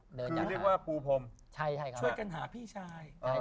อย่าเรียกว่าปูพรมช่วยกันหาพี่ชาย